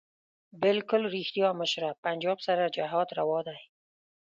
بلکل ريښتيا مشره پنجاب سره جهاد رواح دی